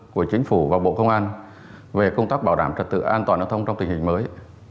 của chính phủ và bộ công an về công tác bảo đảm trật tự an toàn giao thông trong tình hình mới